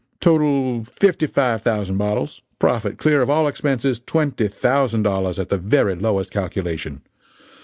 Total, fifty five thousand bottles; profit clear of all expenses, twenty thousand dollars at the very lowest calculation.